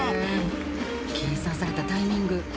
計算されたタイミング。